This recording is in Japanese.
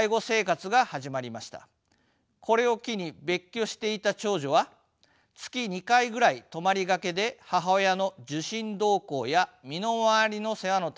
これを機に別居していた長女は月２回ぐらい泊まりがけで母親の受診同行や身の回りの世話のために介護することになったのです。